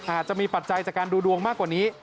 อาจจะมีปัจจัยจากการดูดวงมากกว่านี้